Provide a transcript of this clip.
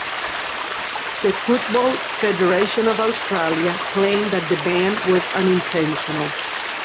The Football Federation of Australia claimed that the ban was "unintentional".